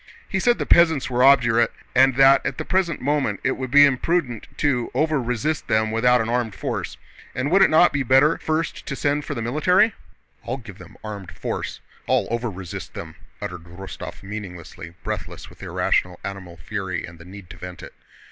He said the peasants were obdurate and that at the present moment it would be imprudent to "overresist" them without an armed force, and would it not be better first to send for the military? "I'll give them armed force... I'll 'overresist' them!" uttered Rostóv meaninglessly, breathless with irrational animal fury and the need to vent it.